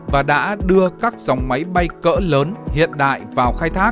và đã đưa các dòng máy bay cỡ lớn hiện đại vào khai thác